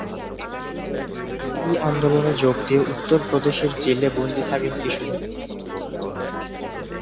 এই আন্দোলনে যোগ দিয়ে উত্তরপ্রদেশের জেলে বন্দী থাকেন কিছুদিন।